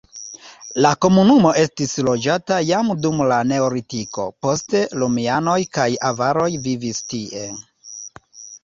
La komunumo estis loĝata jam dum la neolitiko, poste romianoj kaj avaroj vivis tie.